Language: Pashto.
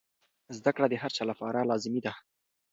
زده کړه د هر چا لپاره لازمي ده.